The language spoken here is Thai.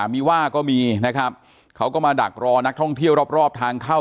อ๋อเจ้าสีสุข่าวของสิ้นพอได้ด้วย